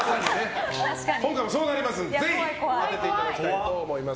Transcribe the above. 今回もそうなりますのでぜひ当てていただきたいと思います。